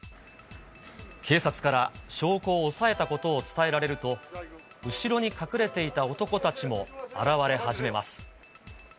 警察から証拠を押さえたことを伝えられると、後ろに隠れていた男たちも現れ始めます。